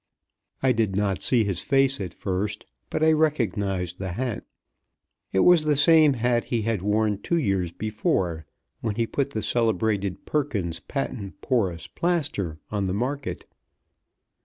I did not see his face at first, but I recognized the hat. It was the same hat he had worn two years before, when he put the celebrated Perkins's Patent Porous Plaster on the market.